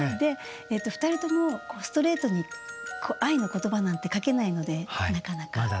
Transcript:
２人ともストレートに愛の言葉なんて書けないのでなかなか。